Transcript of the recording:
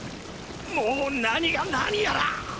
もう何が何やら